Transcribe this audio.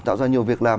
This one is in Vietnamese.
tạo ra nhiều việc làm